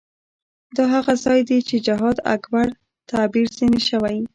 دا هغه څه دي چې جهاد اکبر تعبیر ځنې شوی.